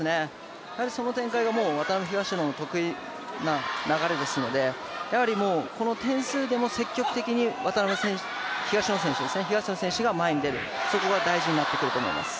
その展開がもう渡辺・東野の得意な流れですのでこの点数でも積極的に東野選手が前に出る、そこが大事になってくると思います。